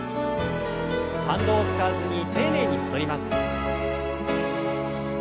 反動を使わずに丁寧に戻ります。